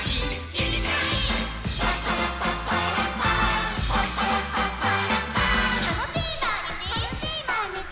「うれしいまいにち」